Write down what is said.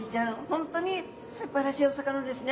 本当にすばらしいお魚ですね。